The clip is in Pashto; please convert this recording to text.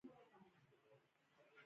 بیا دې دا معلومات په ټولګي کې وړاندې کړي.